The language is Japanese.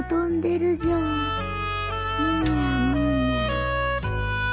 むにゃむにゃ。